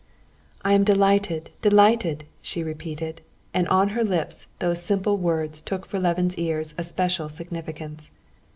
"I am delighted, delighted," she repeated, and on her lips these simple words took for Levin's ears a special significance.